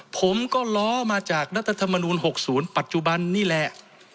ผมก็ล้อมาจากรัฐธรรมนูล๖๐ปัจจุบันนี่แหละ